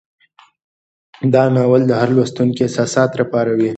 دا ناول د هر لوستونکي احساسات راپاروي.